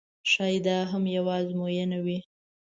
ښایي دا هم یوه آزموینه وي.